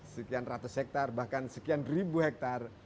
sekian ratus hektare bahkan sekian ribu hektare